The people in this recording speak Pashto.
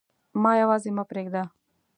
ما یواځي مه پریږده